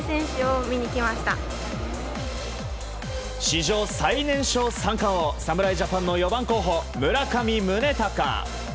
史上最年少三冠王侍ジャパンの４番候補村上宗隆。